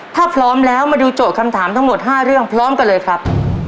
ถ้าพร้อมแล้วมาดูโจทย์คำถามทั้งหมด๕เรื่องพร้อมกันเลยครับ